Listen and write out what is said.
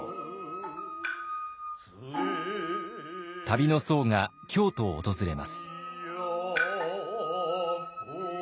旅の僧が京都を訪れます。